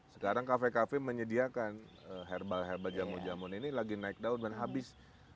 sekarang kafe kafe menyediakan herbal herbal jamu jamun ini lagi naik daun dan habis